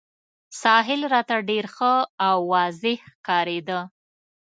ساحل راته ډېر ښه او واضح ښکارېده.